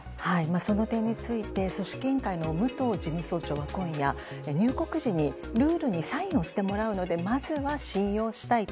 その点について組織委員会の武藤事務総長は今夜、入国時にルールにサインをしてもらうのがまずは信用したいと。